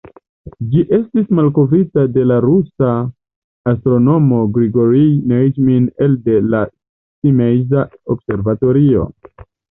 Ĝi estis malkovrita la de la rusa astronomo Grigorij Neujmin elde la Simeiza observatorio.